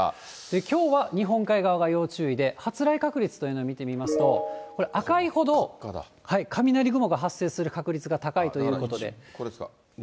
きょうは日本海側が要注意で、発雷確率というのを見てみますと、赤いほど、雷雲が発生する確率が高いということで。